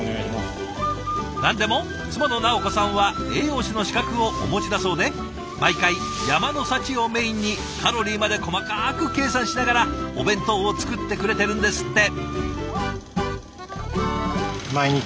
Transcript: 何でも妻の尚子さんは栄養士の資格をお持ちだそうで毎回山の幸をメインにカロリーまで細かく計算しながらお弁当を作ってくれてるんですって。